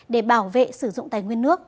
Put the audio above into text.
để bảo vệ sử dụng tài nguyên nước